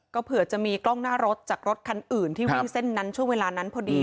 เผื่อจะมีกล้องหน้ารถจากรถคันอื่นที่วิ่งเส้นนั้นช่วงเวลานั้นพอดี